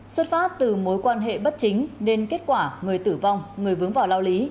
xuất phát từ mối quan hệ bất chính nên kết quả người tử vong người vướng vào lao lý